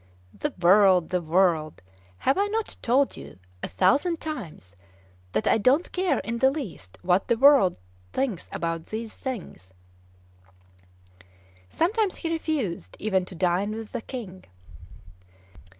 "The world the world! Have I not told you a thousand times that I don't care in the least what the world thinks about these things?" Sometimes he refused even to dine with the King.